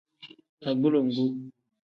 Agulongu.